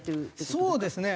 そうですね。